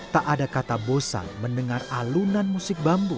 tak ada kata bosan mendengar alunan musik bambu